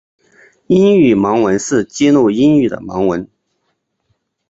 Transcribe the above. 英语盲文是记录英语的盲文。